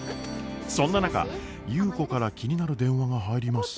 そんな中優子から気になる電話が入ります。